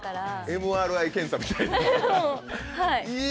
ＭＲＩ検査みたいな。